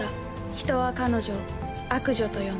人は彼女を悪女と呼んだ。